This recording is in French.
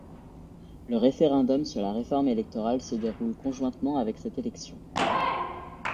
Le référendum sur la réforme électorale se déroule conjointement avec cette élection.